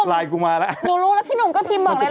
หนูรู้แล้วพี่หนุ่มก็พิมพ์บอกแล้วไลฟ์ปุ๊บ